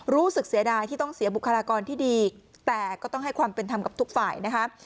รู้สึกเสียดายที่ต้องเสียบุคลากรที่ดีแต่ก็ต้องให้ความเป็นธรรมกับทุกฝ่ายนะคะ